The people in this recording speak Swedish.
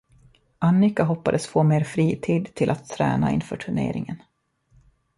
Annika hoppades få mer fritid till att träna inför turneringen.